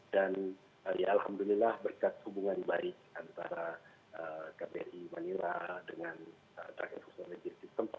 dan ya alhamdulillah berkat hubungan baik antara kbri manila dengan rakyat kepala negeri sistem